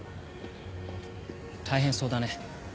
大変そうだね。